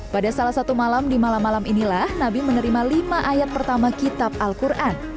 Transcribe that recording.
pada salah satu malam di malam malam inilah nabi menerima lima ayat pertama kitab al quran